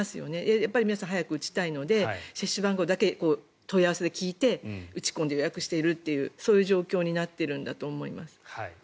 やっぱり皆さん早く打ちたいので選手番号だけ問い合わせで聞いて打ち込んで予約しているというそういう状況になっているんだと思います。